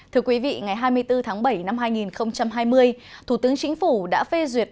thưa quý vị ngày hai mươi bốn tháng bảy năm hai nghìn hai mươi thủ tướng chính phủ đã phê duyệt